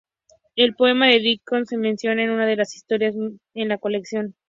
El poema de Dickinson se menciona en una de las historias en la colección.